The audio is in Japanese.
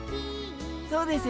そうです。